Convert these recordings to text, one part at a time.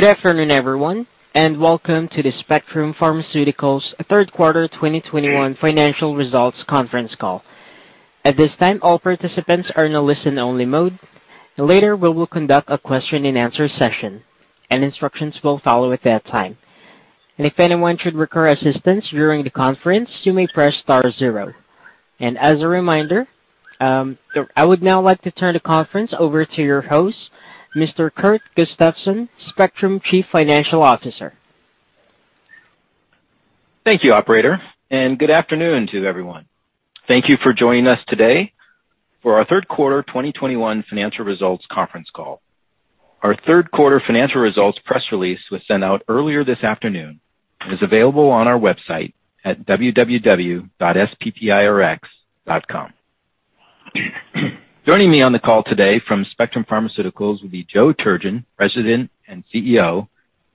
Good afternoon, everyone, and welcome to the Spectrum Pharmaceuticals third quarter 2021 financial results conference call. At this time, all participants are in a listen-only mode. Later, we will conduct a question and answer session, and instructions will follow at that time. If anyone should require assistance during the conference, you may press star zero. As a reminder, I would now like to turn the conference over to your host, Mr. Kurt Gustafson, Spectrum Chief Financial Officer. Thank you, operator, and good afternoon to everyone. Thank you for joining us today for our third quarter 2021 financial results conference call. Our third quarter 2021 financial results press release was sent out earlier this afternoon and is available on our website at www.sppirx.com. Joining me on the call today from Spectrum Pharmaceuticals will be Joe Turgeon, President and CEO,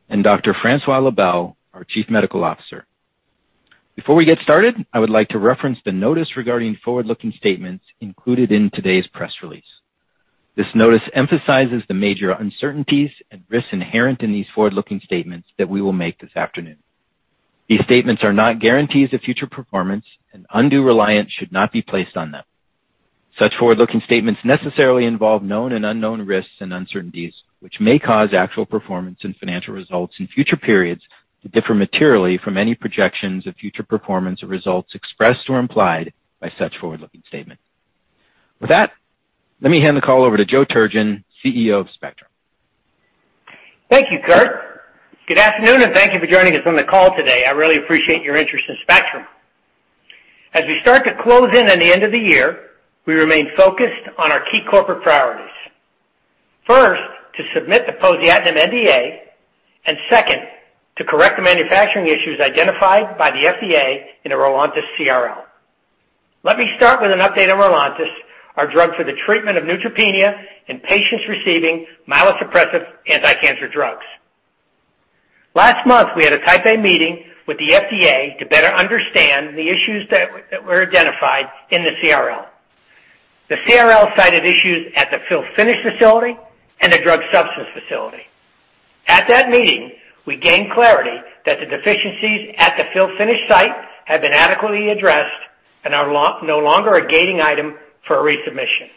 and Dr. Francois Lebel, our Chief Medical Officer. Before we get started, I would like to reference the notice regarding forward-looking statements included in today's press release. This notice emphasizes the major uncertainties and risks inherent in these forward-looking statements that we will make this afternoon. These statements are not guarantees of future performance, and undue reliance should not be placed on them. Such forward-looking statements necessarily involve known and unknown risks and uncertainties, which may cause actual performance and financial results in future periods to differ materially from any projections of future performance or results expressed or implied by such forward-looking statements. With that, let me hand the call over to Joe Turgeon, CEO of Spectrum. Thank you, Kurt. Good afternoon, and thank you for joining us on the call today. I really appreciate your interest in Spectrum. As we start to close in on the end of the year, we remain focused on our key corporate priorities. First, to submit the poziotinib NDA, and second, to correct the manufacturing issues identified by the FDA in the ROLONTIS CRL. Let me start with an update on ROLONTIS, our drug for the treatment of neutropenia in patients receiving myelosuppressive anti-cancer drugs. Last month, we had a Type A meeting with the FDA to better understand the issues that were identified in the CRL. The CRL cited issues at the fill-finish facility and the drug substance facility. At that meeting, we gained clarity that the deficiencies at the fill-finish site have been adequately addressed and are no longer a gating item for a resubmission.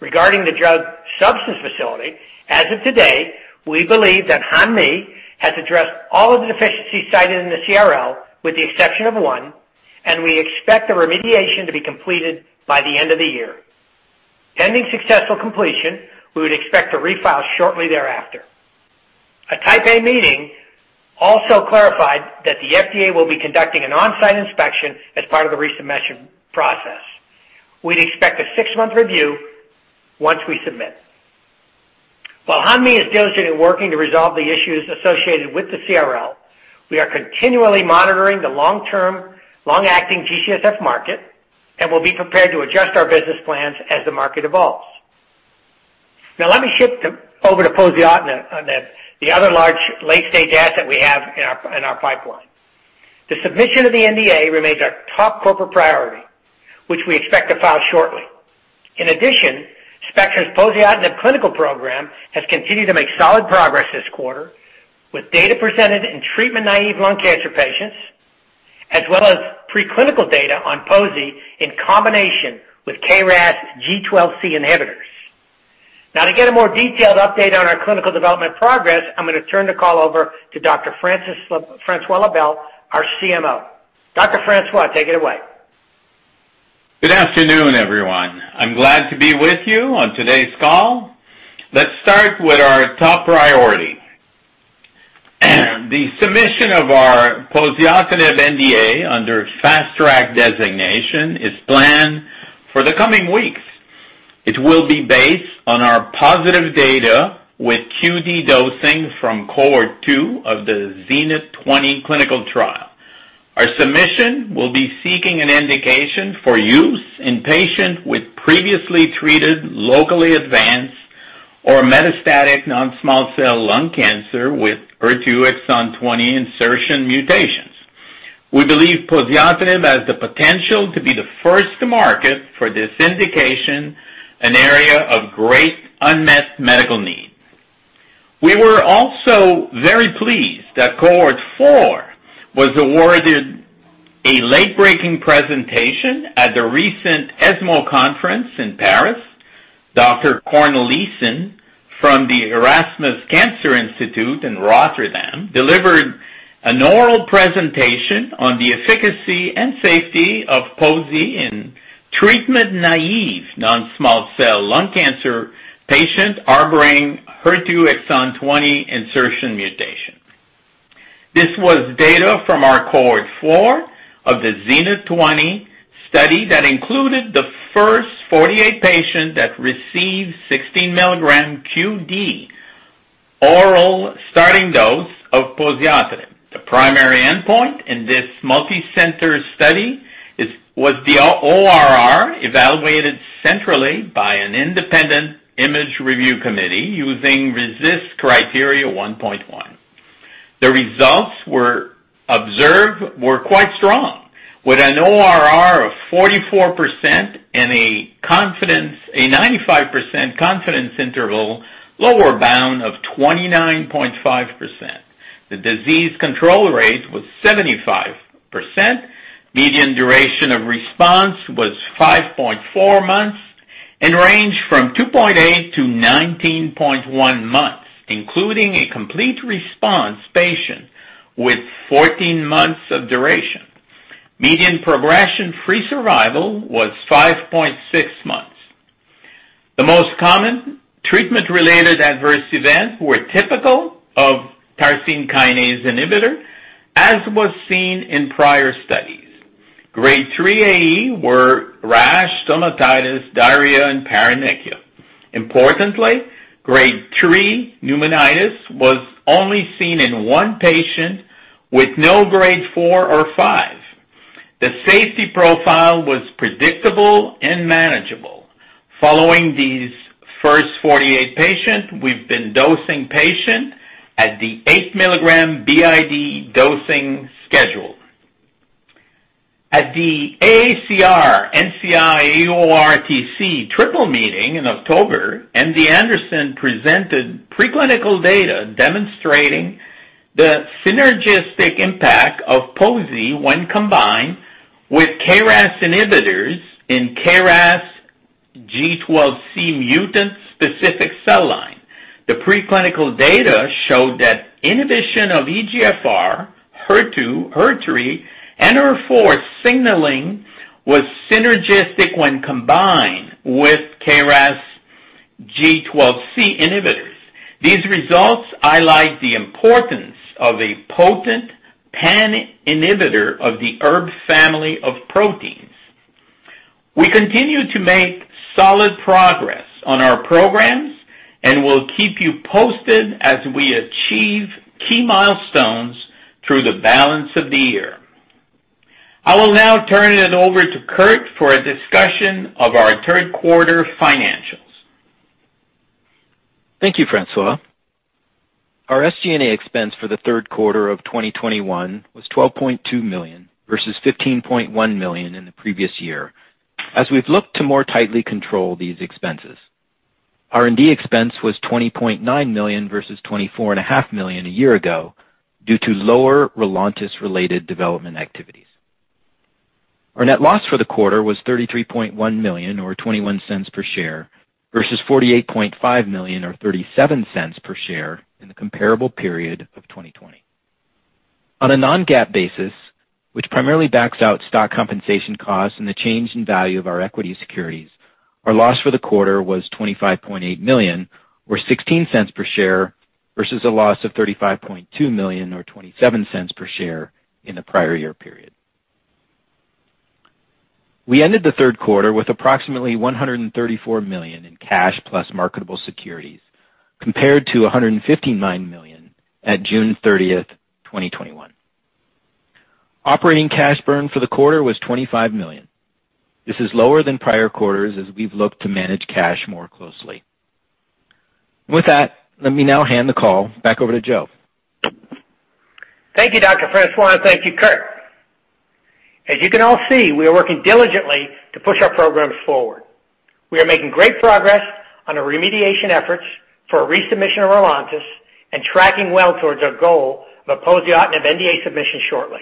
Regarding the drug substance facility, as of today, we believe that Hanmi has addressed all of the deficiencies cited in the CRL, with the exception of one, and we expect the remediation to be completed by the end of the year. Pending successful completion, we would expect to refile shortly thereafter. A Type A meeting also clarified that the FDA will be conducting an on-site inspection as part of the resubmission process. We'd expect a six-month review once we submit. While Hanmi is diligently working to resolve the issues associated with the CRL, we are continually monitoring the long-term, long-acting GCSF market and will be prepared to adjust our business plans as the market evolves. Now let me shift over to poziotinib, the other large late-stage asset we have in our pipeline. The submission of the NDA remains our top corporate priority, which we expect to file shortly. In addition, Spectrum's poziotinib clinical program has continued to make solid progress this quarter, with data presented in treatment-naive lung cancer patients, as well as preclinical data on poziotinib in combination with KRAS G12C inhibitors. Now to get a more detailed update on our clinical development progress, I'm gonna turn the call over to Dr. Francois Lebel, our CMO. Dr. Francois, take it away. Good afternoon, everyone. I'm glad to be with you on today's call. Let's start with our top priority. The submission of our poziotinib NDA under Fast Track designation is planned for the coming weeks. It will be based on our positive data with QD dosing from cohort 2 of the ZENITH20 clinical trial. Our submission will be seeking an indication for use in patients with previously treated locally advanced or metastatic non-small cell lung cancer with HER2 exon 20 insertion mutations. We believe poziotinib has the potential to be the first to market for this indication, an area of great unmet medical need. We were also very pleased that cohort 4 was awarded a late-breaking presentation at the recent ESMO conference in Paris. Dr. Cornelissen from the Erasmus MC Cancer Institute in Rotterdam delivered an oral presentation on the efficacy and safety of poziotinib in treatment-naive non-small cell lung cancer patients harboring HER2 exon 20 insertion mutation. This was data from our cohort 4 of the ZENITH20 study that included the first 48 patients that received 16 mg QD oral starting dose of poziotinib. The primary endpoint in this multi-center study was the ORR evaluated centrally by an independent imaging review committee using RECIST 1.1. The results were quite strong, with an ORR of 44% and a 95% confidence interval lower bound of 29.5%. The disease control rate was 75%. Median duration of response was 5.4 months and ranged from 2.8 to 19.1 months, including a complete response patient with 14 months of duration. Median progression-free survival was 5.6 months. The most common treatment-related adverse events were typical of tyrosine kinase inhibitor, as was seen in prior studies. Grade 3 AEs were rash, stomatitis, diarrhea, and paronychia. Importantly, Grade 3 pneumonitis was only seen in 1 patient with no Grade 4 or 5. The safety profile was predictable and manageable. Following these first 48 patients, we've been dosing patients at the 8 mg BID dosing schedule. At the AACR-NCI-EORTC triple meeting in October, MD Anderson presented preclinical data demonstrating the synergistic impact of pozi when combined with KRAS inhibitors in KRAS G12C mutant-specific cell line. The preclinical data showed that inhibition of EGFR, HER2, HER3, and HER4 signaling was synergistic when combined with KRAS G12C inhibitors. These results highlight the importance of a potent pan inhibitor of the ErbB family of proteins. We continue to make solid progress on our programs, and we'll keep you posted as we achieve key milestones through the balance of the year. I will now turn it over to Kurt for a discussion of our third quarter financials. Thank you, Francois. Our SG&A expense for the third quarter of 2021 was $12.2 million versus $15.1 million in the previous year, as we've looked to more tightly control these expenses. R&D expense was $20.9 million versus $24.5 million a year ago due to lower ROLONTIS-related development activities. Our net loss for the quarter was $33.1 million or $0.21 per share versus $48.5 million or $0.37 per share in the comparable period of 2020. On a non-GAAP basis, which primarily backs out stock compensation costs and the change in value of our equity securities, our loss for the quarter was $25.8 million or $0.16 per share versus a loss of $35.2 million or $0.27 per share in the prior year period. We ended the third quarter with approximately $134 million in cash plus marketable securities compared to $159 million at June 30, 2021. Operating cash burn for the quarter was $25 million. This is lower than prior quarters as we've looked to manage cash more closely. With that, let me now hand the call back over to Joe. Thank you, Dr. Francois Lebel, and thank you, Kurt Gustafson. As you can all see, we are working diligently to push our programs forward. We are making great progress on the remediation efforts for a resubmission of Rolontis and tracking well towards our goal of a positioning of NDA submission shortly.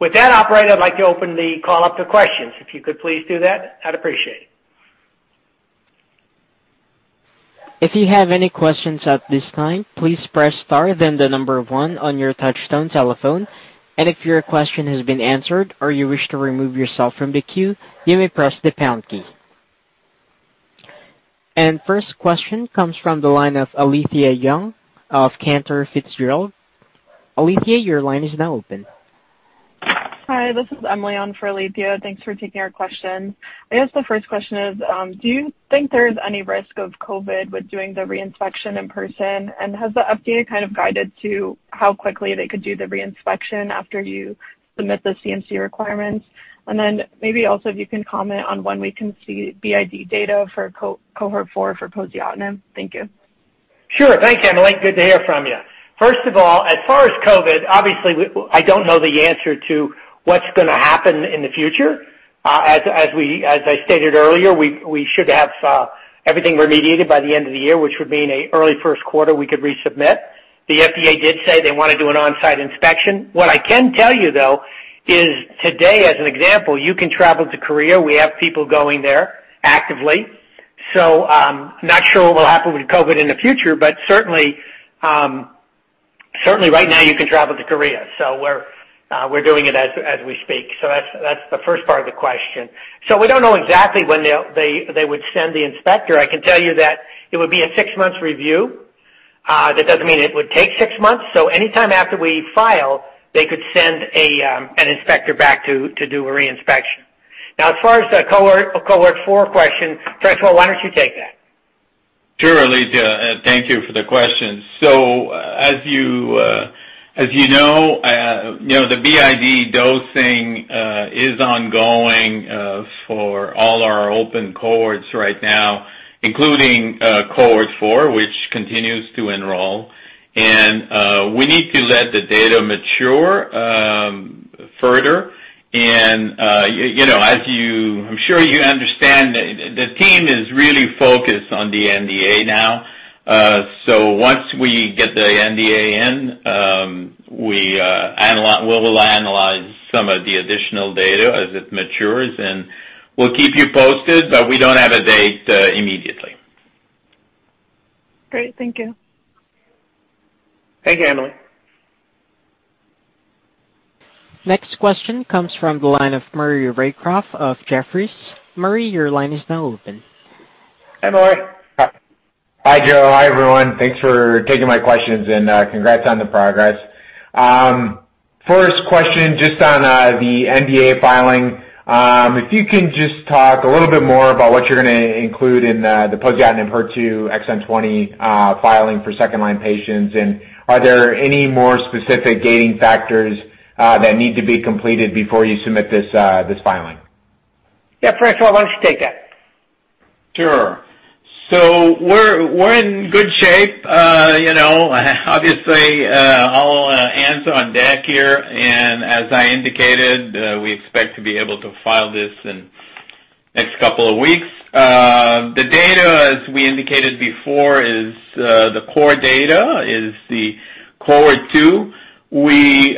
With that, operator, I'd like to open the call up to questions. If you could please do that, I'd appreciate it. If you have any questions at this time, please press star then the number 1 on your touchtone telephone. If your question has been answered or you wish to remove yourself from the queue, you may press the pound key. First question comes from the line of Alethia Young of Cantor Fitzgerald. Alethea, your line is now open. Hi, this is Emily on for Alethia. Thanks for taking our question. I guess the first question is, do you think there is any risk of COVID with doing the re-inspection in person? And has the updated kind of guidance to how quickly they could do the re-inspection after you submit the CMC requirements? And then maybe also if you can comment on when we can see BID data for cohort four for poziotinib. Thank you. Sure. Thanks, Emily. Good to hear from you. First of all, as far as COVID, obviously I don't know the answer to what's gonna happen in the future. As I stated earlier, we should have everything remediated by the end of the year, which would mean in early first quarter, we could resubmit. The FDA did say they wanna do an on-site inspection. What I can tell you, though, is today, as an example, you can travel to Korea. We have people going there actively. Not sure what will happen with COVID in the future, but certainly right now you can travel to Korea. We're doing it as we speak. That's the first part of the question. We don't know exactly when they would send the inspector. I can tell you that it would be a 6 months review. That doesn't mean it would take 6 months. Anytime after we file, they could send an inspector back to do a re-inspection. Now, as far as the cohort 4 question, Francois, why don't you take that? Sure, Alethia. Thank you for the question. As you know, the BID dosing is ongoing. For all our open cohorts right now, including cohort 4, which continues to enroll. We need to let the data mature further, and you know, as you, I'm sure you understand that the team is really focused on the NDA now. Once we get the NDA in, we will analyze some of the additional data as it matures, and we'll keep you posted, but we don't have a date immediately. Great. Thank you. Thanks, Emily. Next question comes from the line of Maury Raycroft of Jefferies. Maury, your line is now open. Hi, Maury. Hi, Joe. Hi, everyone. Thanks for taking my questions and, congrats on the progress. First question, just on the NDA filing. If you can just talk a little bit more about what you're gonna include in the poziotinib and HER2 exon 20 filing for second line patients. Are there any more specific gating factors that need to be completed before you submit this filing? Yeah. Francois, why don't you take that? Sure. We're in good shape. You know, obviously, all hands on deck here. As I indicated, we expect to be able to file this in next couple of weeks. The data, as we indicated before, is the core data is the cohort 2. We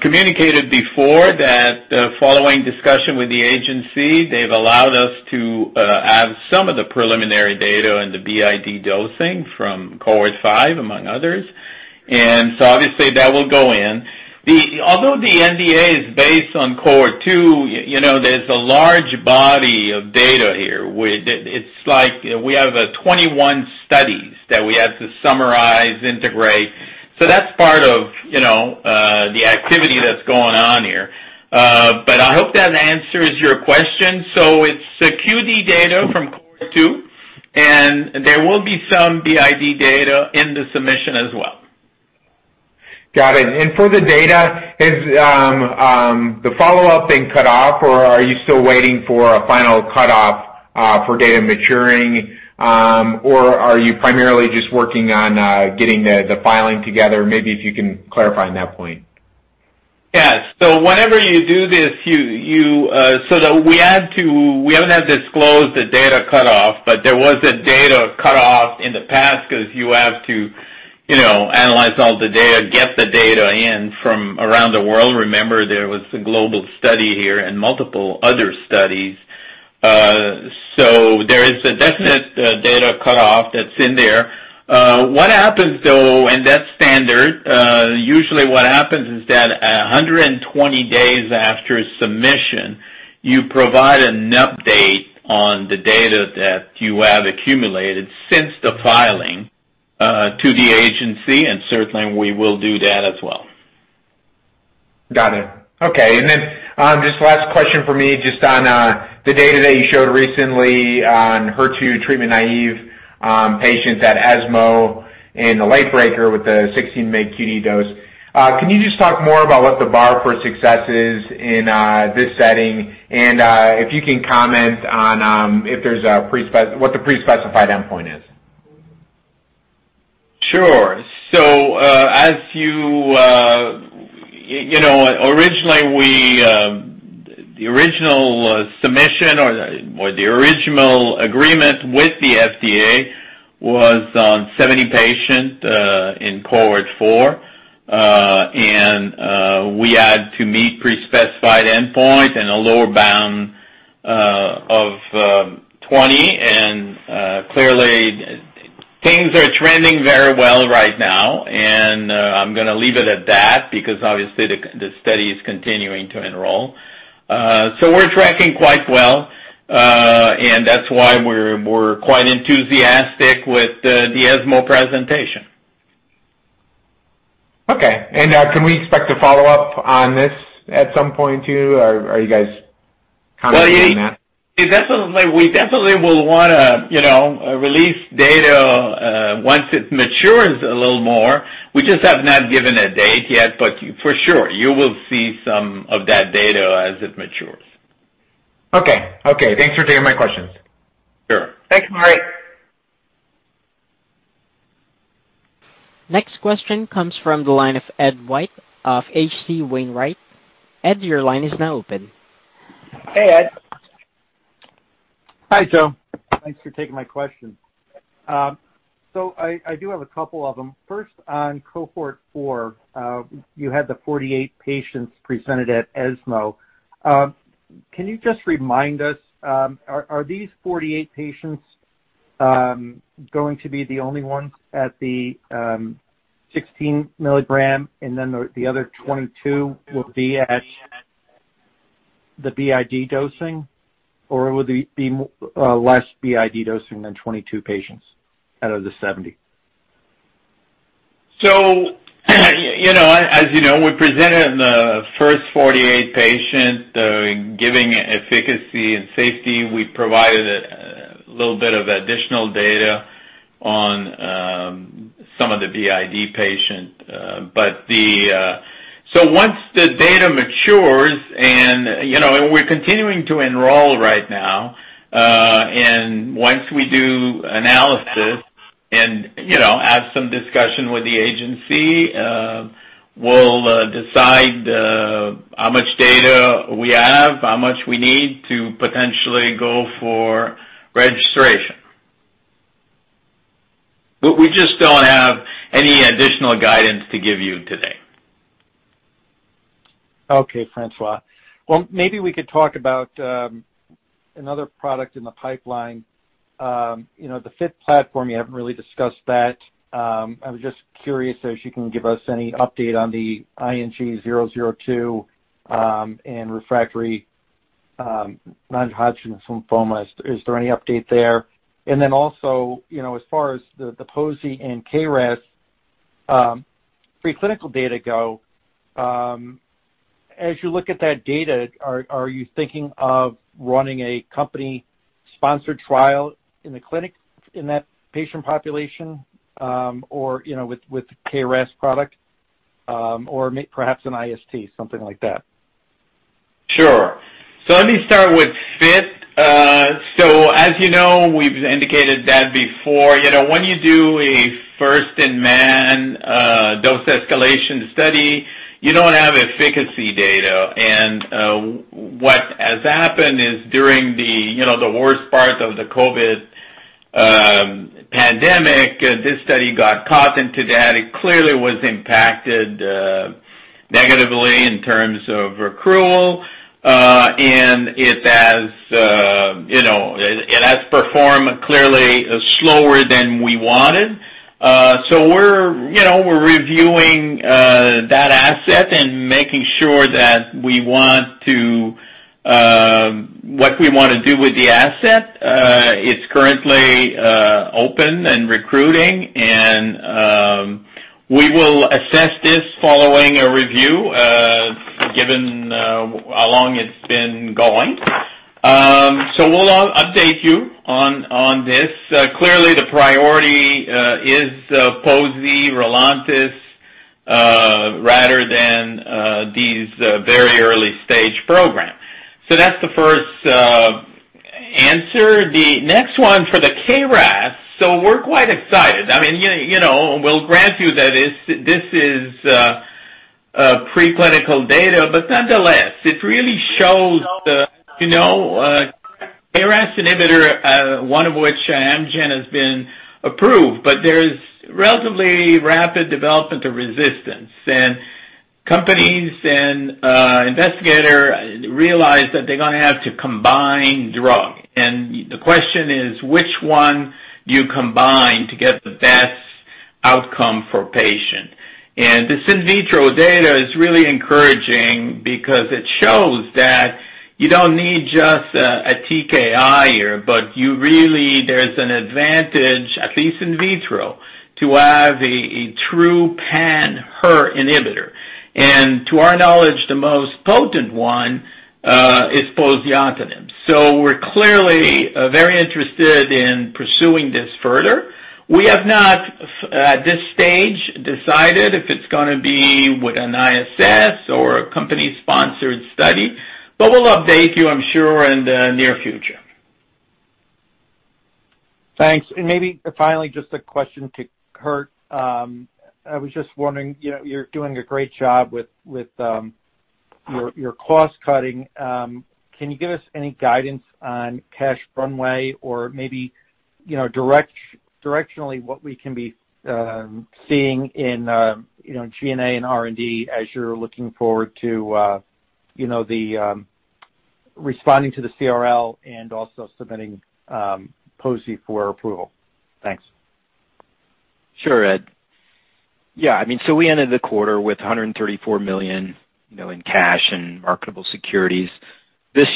communicated before that, following discussion with the agency, they've allowed us to add some of the preliminary data and the BID dosing from cohort 5, among others. Obviously that will go in. Although the NDA is based on cohort 2, you know, there's a large body of data here. It's like we have 21 studies that we have to summarize, integrate. That's part of, you know, the activity that's going on here. But I hope that answers your question. It's QD data from cohort 2, and there will be some BID data in the submission as well. Got it. For the data, is the follow-up been cut off, or are you still waiting for a final cutoff for data maturing? Or are you primarily just working on getting the filing together? Maybe if you can clarify on that point. Yes. Whenever you do this, you have to analyze all the data, get the data in from around the world. We haven't disclosed the data cutoff, but there was a data cutoff in the past 'cause you have to, you know, analyze all the data, get the data in from around the world. Remember, there was a global study here and multiple other studies. There is a definite data cutoff that's in there. What happens though, and that's standard, usually what happens is that 120 days after submission, you provide an update on the data that you have accumulated since the filing to the agency. Certainly we will do that as well. Got it. Okay. Just last question for me, just on the data that you showed recently on HER2 treatment-naive patients at ESMO in the late-breaker with the 16 mg QD dose. Can you just talk more about what the bar for success is in this setting? If you can comment on what the pre-specified endpoint is? Sure. As you know, originally, the original submission or the original agreement with the FDA was on 70 patients in cohort 4. We had to meet pre-specified endpoint and a lower bound of 20. Clearly things are trending very well right now. I'm gonna leave it at that because obviously the study is continuing to enroll. We're tracking quite well, and that's why we're quite enthusiastic with the ESMO presentation. Okay. Can we expect a follow-up on this at some point too? Or are you guys commenting on that? We definitely will wanna, you know, release data once it matures a little more. We just have not given a date yet, but for sure you will see some of that data as it matures. Okay. Thanks for taking my questions. Sure. Thanks, Maury. Next question comes from the line of Ed White of H.C. Wainwright. Ed, your line is now open. Hey, Ed. Hi, Joe. Thanks for taking my question. I do have a couple of them. First, on cohort 4, you had the 48 patients presented at ESMO. Can you just remind us, are these 48 patients going to be the only ones at the 16 mg and then the other 22 will be at the BID dosing? Or will they be less BID dosing than 22 patients out of the 70? You know, as you know, we presented the first 48 patients, giving efficacy and safety. We provided a little bit of additional data on some of the BID patient. Once the data matures and, you know, and we're continuing to enroll right now. And once we do analysis and, you know, have some discussion with the agency, we'll decide how much data we have, how much we need to potentially go for registration. We just don't have any additional guidance to give you today. Okay, Francois. Well, maybe we could talk about another product in the pipeline. You know, the FIT platform, you haven't really discussed that. I was just curious if you can give us any update on the IGN002 and refractory non-Hodgkin's lymphoma. Is there any update there? And then also, you know, as far as the poziotinib and KRAS preclinical data go, as you look at that data, are you thinking of running a company-sponsored trial in the clinic in that patient population? Or, you know, with KRAS product, or perhaps an IST, something like that. Sure. Let me start with FIT. As you know, we've indicated that before. When you do a first-in-man dose escalation study, you don't have efficacy data. What has happened is during the worst part of the COVID pandemic, this study got caught into that. It clearly was impacted negatively in terms of accrual. It has performed clearly slower than we wanted. We're reviewing that asset and making sure that we want to what we wanna do with the asset. It's currently open and recruiting, and we will assess this following a review given how long it's been going. We'll update you on this. Clearly the priority is Pozi ROLONTIS rather than these very early stage programs. That's the first answer. The next one for the KRAS. We're quite excited. I mean, you know, we'll grant you that this is preclinical data. Nonetheless, it really shows the KRAS inhibitor, one of which Amgen has been approved, but there's relatively rapid development of resistance. Companies and investigators realize that they're gonna have to combine drugs. The question is, which one do you combine to get the best outcome for patients? This in vitro data is really encouraging because it shows that you don't need just a TKI here, but you really, there's an advantage, at least in vitro, to have a true pan-HER inhibitor. To our knowledge, the most potent one is poziotinib. We're clearly very interested in pursuing this further. We have not at this stage decided if it's gonna be with an ISS or a company-sponsored study, but we'll update you, I'm sure, in the near future. Thanks. Maybe finally, just a question to Kurt. I was just wondering, you know, you're doing a great job with your cost-cutting. Can you give us any guidance on cash runway or maybe, you know, directionally what we can be seeing in, you know, G&A and R&D as you're looking forward to, you know, the responding to the CRL and also submitting poziotinib for approval? Thanks. Sure, Ed. Yeah, I mean, so we ended the quarter with $134 million, you know, in cash and marketable securities. This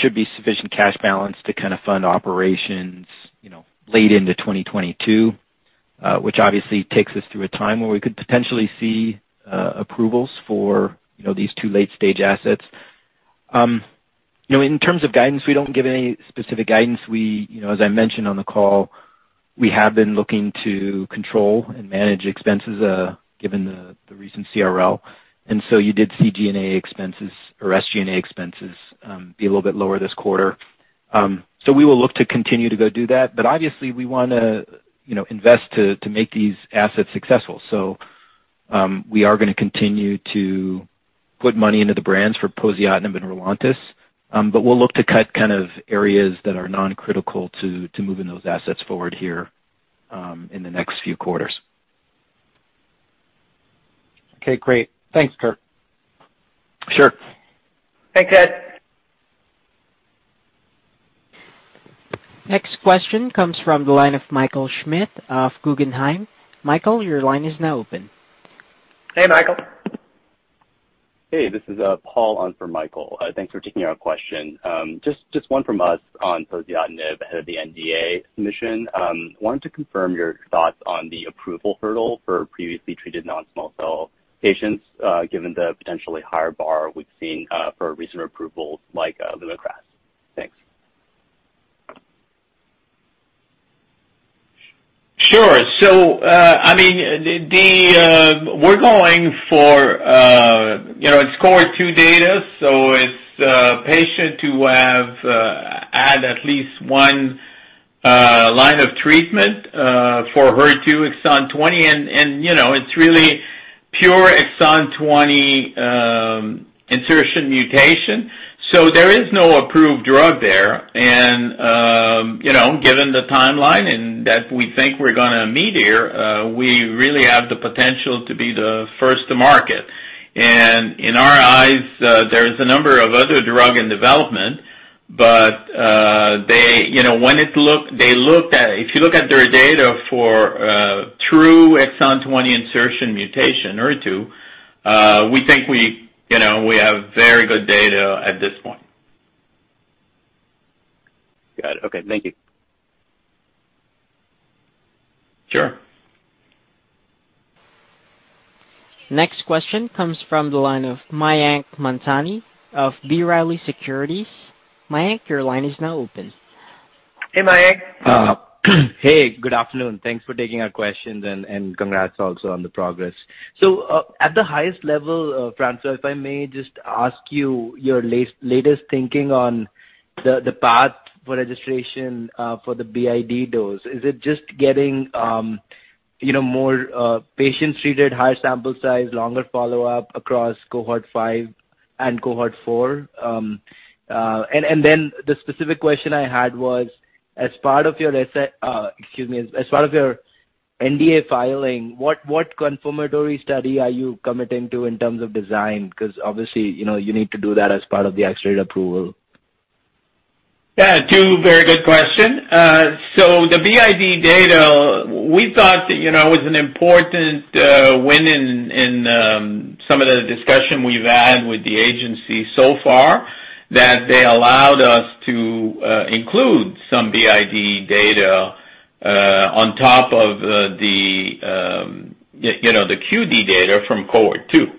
should be sufficient cash balance to kind of fund operations, you know, late into 2022, which obviously takes us through a time where we could potentially see approvals for, you know, these two late-stage assets. You know, in terms of guidance, we don't give any specific guidance. We, you know, as I mentioned on the call, we have been looking to control and manage expenses, given the recent CRL. You did see G&A expenses or SG&A expenses be a little bit lower this quarter. We will look to continue to go do that. Obviously we wanna, you know, invest to make these assets successful. We are gonna continue to put money into the brands for poziotinib and ROLONTIS. We'll look to cut kind of areas that are non-critical to moving those assets forward here, in the next few quarters. Okay, great. Thanks, Kurt. Sure. Thanks, Ed. Next question comes from the line of Michael Schmidt of Guggenheim. Michael, your line is now open. Hey, Michael. Hey, this is Paul on for Michael. Thanks for taking our question. Just one from us on poziotinib ahead of the NDA submission. Wanted to confirm your thoughts on the approval hurdle for previously treated non-small cell patients, given the potentially higher bar we've seen for recent approvals like Lumakras. Thanks. Sure. I mean, we're going for, you know, its cohort 2 data, so it's patients who have had at least one line of treatment for HER2 exon 20, and you know, it's really pure exon 20 insertion mutation. There is no approved drug there. Given the timeline and that we think we're gonna meet here, we really have the potential to be the first to market. In our eyes, there's a number of other drugs in development, but they, you know, if you look at their data for true exon 20 insertion mutation or HER2, we think, you know, we have very good data at this point. Got it. Okay. Thank you. Sure. Next question comes from the line of Mayank Mamtani of B. Riley Securities. Mayank, your line is now open. Hey, Mayank. Hey, good afternoon. Thanks for taking our questions and congrats also on the progress. At the highest level, Francois, if I may just ask you your latest thinking on the path for registration for the BID dose. Is it just getting you know more patients treated, higher sample size, longer follow-up across cohort 5 and cohort 4? And then the specific question I had was, as part of your NDA filing, what confirmatory study are you committing to in terms of design? Because obviously, you know, you need to do that as part of the accelerated approval. Yeah, two very good questions. The BID data, we thought that, you know, it was an important win in some of the discussion we've had with the agency so far, that they allowed us to include some BID data on top of the, you know, the QD data from cohort two.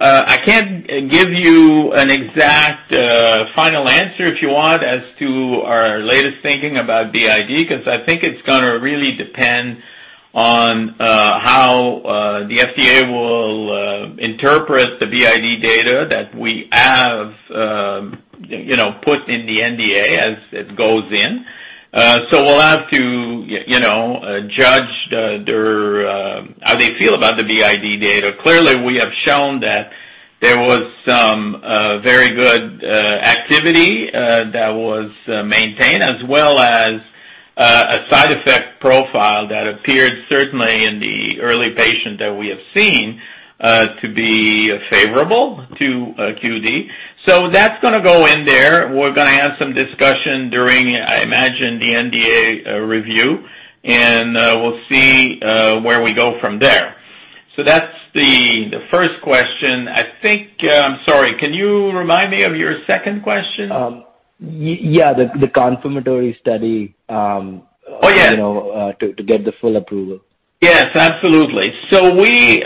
I can't give you an exact final answer, if you want, as to our latest thinking about BID, 'cause I think it's gonna really depend on how the FDA will interpret the BID data that we have, you know, put in the NDA as it goes in. We'll have to, you know, judge how they feel about the BID data. Clearly, we have shown that there was some very good activity that was maintained as well as a side effect profile that appeared certainly in the early patient that we have seen to be favorable to QD. So that's gonna go in there. We're gonna have some discussion during, I imagine, the NDA review, and we'll see where we go from there. So that's the first question. I think. I'm sorry, can you remind me of your second question? Yeah. The confirmatory study. Oh, yeah. you know, to get the full approval. Yes, absolutely. We you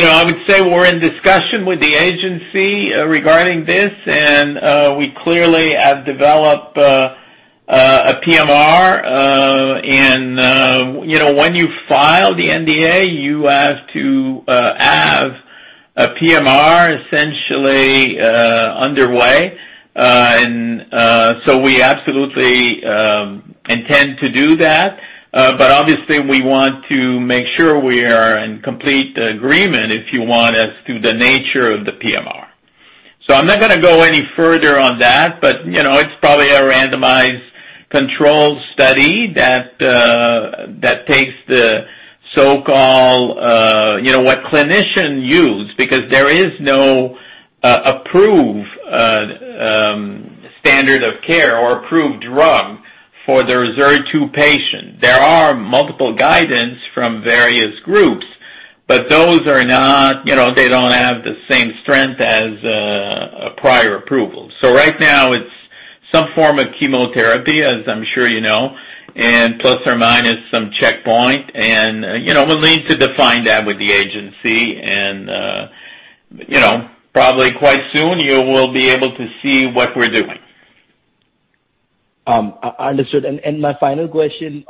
know, I would say we're in discussion with the agency regarding this, and we clearly have developed a PMR. You know, when you file the NDA, you have to have a PMR essentially underway. We absolutely intend to do that. Obviously we want to make sure we are in complete agreement, if you want, as to the nature of the PMR. I'm not gonna go any further on that, but you know, it's probably a randomized controlled study that takes the so-called you know, what clinicians use, because there is no approved standard of care or approved drug for the HER2 patient. There are multiple guidance from various groups, but those are not, they don't have the same strength as a prior approval. Right now it's some form of chemotherapy, as I'm sure you know, and plus or minus some checkpoint. We'll need to define that with the agency and, probably quite soon you will be able to see what we're doing. Understood. My final question,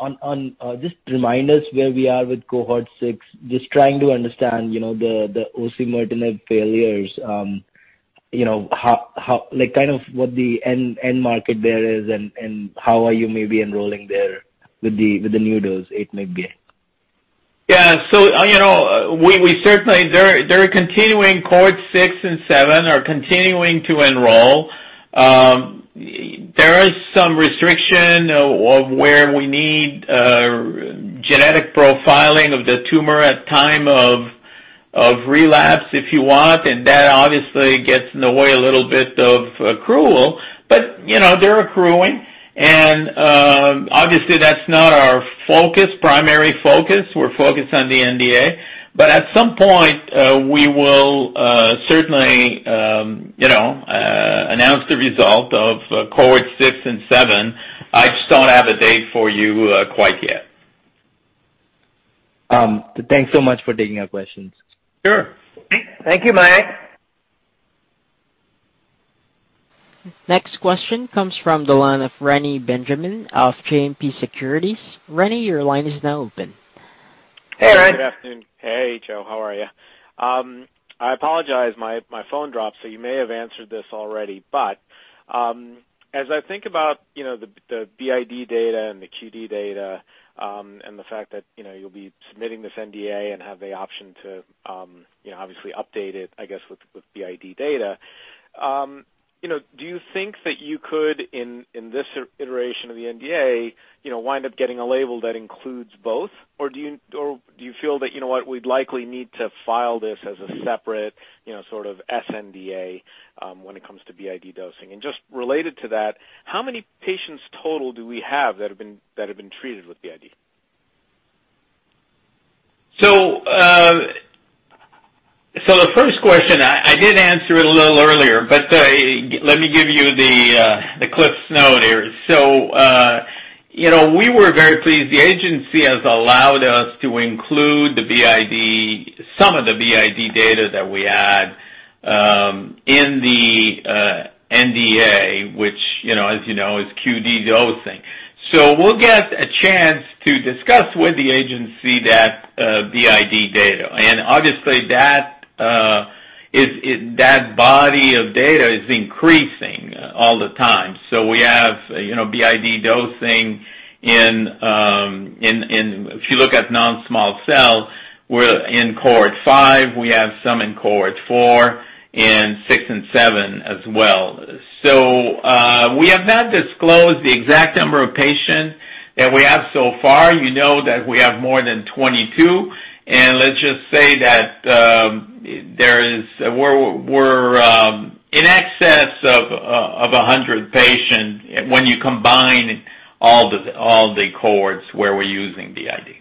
just remind us where we are with cohort 6. Just trying to understand, you know, the osimertinib failures. You know, how like kind of what the end market there is and how are you maybe enrolling there with the new dose, 8 mg? Yeah. You know, we certainly. They're continuing cohort 6 and 7, are continuing to enroll. There is some restriction of where we need genetic profiling of the tumor at time of relapse, if you want. That obviously gets in the way a little bit of accrual. You know, they're accruing. Obviously that's not our primary focus. We're focused on the NDA. At some point, we will certainly, you know, announce the result of cohort 6 and 7. I just don't have a date for you quite yet. Thanks so much for taking our questions. Sure. Thank you, Mayank. Next question comes from the line of Reni Benjamin of JMP Securities. Reni, your line is now open. Hey, Reni. Good afternoon. Hey, Joe. How are you? I apologize, my phone dropped, so you may have answered this already. As I think about you know the BID data and the QD data and the fact that you know you'll be submitting this NDA and have the option to you know obviously update it I guess with BID data you know do you think that you could in this iteration of the NDA you know wind up getting a label that includes both? Or do you feel that you know what we'd likely need to file this as a separate you know sort of sNDA when it comes to BID dosing? And just related to that, how many patients total do we have that have been treated with BID? The first question, I did answer it a little earlier, but let me give you the CliffsNotes here. You know, we were very pleased. The agency has allowed us to include the BID, some of the BID data that we had, in the NDA, which, you know, as you know, is QD dosing. We'll get a chance to discuss with the agency that BID data. Obviously that body of data is increasing all the time. We have, you know, BID dosing in, if you look at non-small cell, we're in cohort 5, we have some in cohort 4 and 6 and 7 as well. We have not disclosed the exact number of patients that we have so far. You know that we have more than 22, and let's just say that we're in excess of 100 patients when you combine all the cohorts where we're using BID.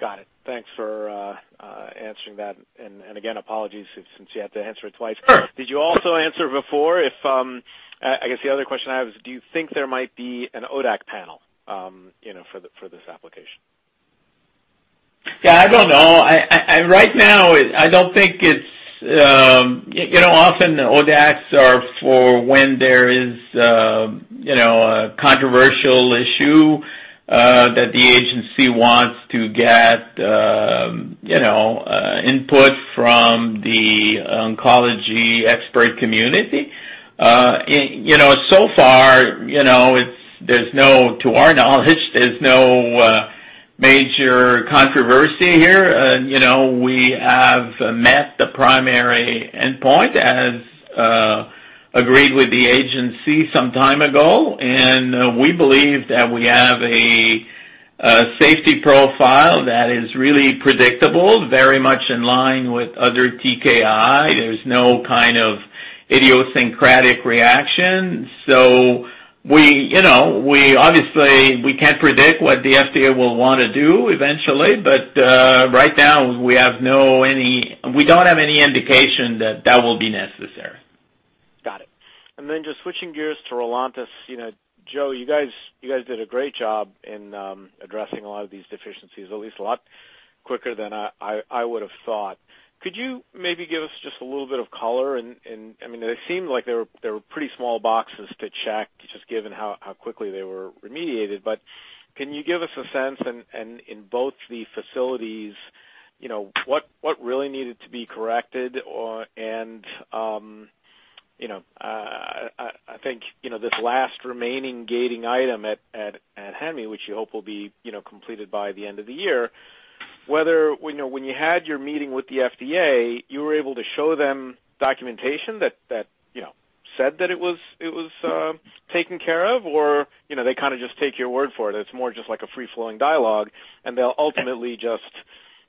Got it. Thanks for answering that. Again, apologies since you had to answer it twice. Sure. Did you also answer before if I guess the other question I have is, do you think there might be an ODAC panel, you know, for this application? Yeah, I don't know. Right now I don't think it's. You know, often the ODACs are for when there is a controversial issue that the agency wants to get input from the oncology expert community. You know, so far, you know, to our knowledge, there's no major controversy here. You know, we have met the primary endpoint as agreed with the agency some time ago, and we believe that we have a safety profile that is really predictable, very much in line with other TKI. There's no kind of idiosyncratic reaction. So we, you know, we obviously can't predict what the FDA will wanna do eventually, but right now we don't have any indication that that will be necessary. Got it. Just switching gears to ROLONTIS. You know, Joe, you guys did a great job in addressing a lot of these deficiencies, at least a lot quicker than I would've thought. Could you maybe give us just a little bit of color, and I mean, they seemed like they were pretty small boxes to check, just given how quickly they were remediated. Can you give us a sense and in both the facilities, you know, what really needed to be corrected or and you know I think you know this last remaining gating item at Hanmi, which you hope will be you know completed by the end of the year, whether when you know when you had your meeting with the FDA, you were able to show them documentation that you know said that it was taken care of, or you know they kinda just take your word for it. It's more just like a free-flowing dialogue, and they'll ultimately just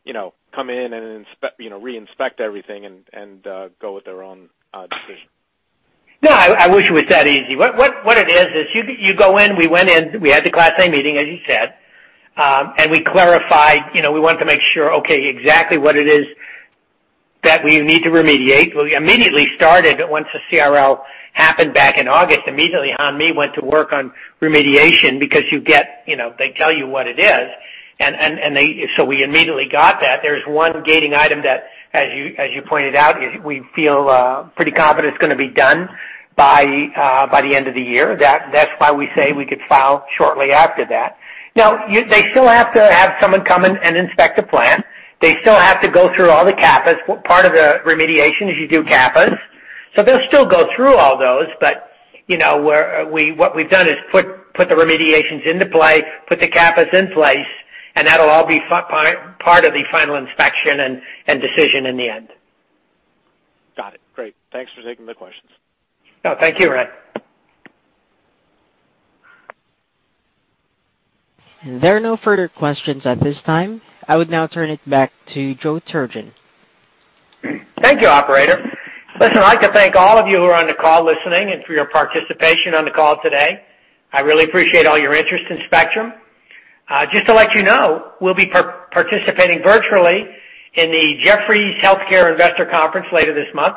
you know come in and inspect you know reinspect everything and go with their own decision. No, I wish it was that easy. What it is you go in, we went in, we had the Type A meeting, as you said. We clarified, you know, we wanted to make sure, okay, exactly what it is that we need to remediate. We immediately started, once the CRL happened back in August, immediately Hanmi went to work on remediation because you get, you know, they tell you what it is. They, so we immediately got that. There's one gating item that, as you pointed out, is we feel pretty confident it's gonna be done by the end of the year. That's why we say we could file shortly after that. Now, they still have to have someone come and inspect the plan. They still have to go through all the CAPAs. Part of the remediation is you do CAPAs. They'll still go through all those. You know, what we've done is put the remediations into play, put the CAPAs in place, and that'll all be part of the final inspection and decision in the end. Got it. Great. Thanks for taking the questions. No, thank you, Reni. There are no further questions at this time. I would now turn it back to Joe Turgeon. Thank you, operator. Listen, I'd like to thank all of you who are on the call listening and for your participation on the call today. I really appreciate all your interest in Spectrum. Just to let you know, we'll be participating virtually in the Jefferies Healthcare Investor Conference later this month,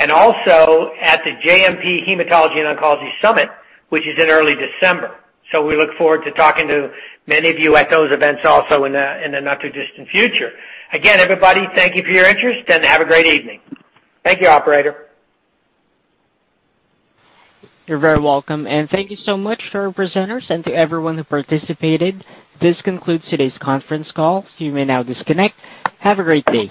and also at the JMP Hematology and Oncology Summit, which is in early December. We look forward to talking to many of you at those events also in a not too distant future. Again, everybody, thank you for your interest and have a great evening. Thank you, operator. You're very welcome, and thank you so much to our presenters and to everyone who participated. This concludes today's conference call. You may now disconnect. Have a great day.